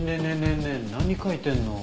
え何描いてんの？